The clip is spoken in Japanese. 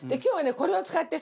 これを使ってさ